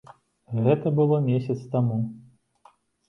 Гэта было месяц таму.